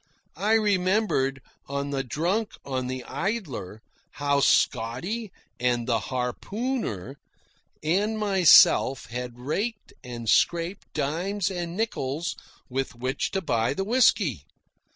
I remembered, on the drunk on the Idler, how Scotty and the harpooner and myself had raked and scraped dimes and nickels with which to buy the whisky.